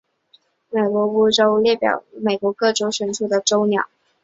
美国州鸟列表列出了美国各州的选出州鸟。